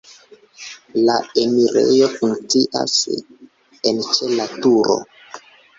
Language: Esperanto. La enirejo funkcias en ĉe la turo.